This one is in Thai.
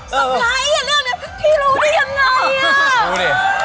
สำหรับไอ้เรื่องนี้พี่รู้ได้ยังไงอ่ะ